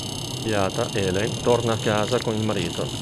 Umiliata, Helen torna a casa con il marito.